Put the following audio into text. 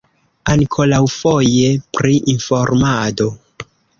Ankoraŭfoje pri informado.